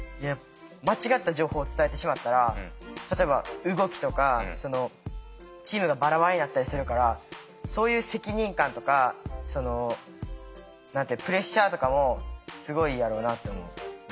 間違った情報を伝えてしまったら例えば動きとかチームがバラバラになったりするからそういう責任感とかプレッシャーとかもすごいやろなと思う。